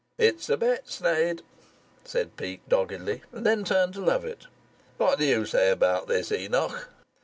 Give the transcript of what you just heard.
"It's a bet, Sneyd," said Peake, doggedly, and then turned to Lovatt. "What do you say about this, Enoch?"